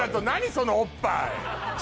そのおっぱい？